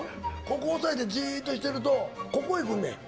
ここ押さえてじっとしてるとここへ来んねん。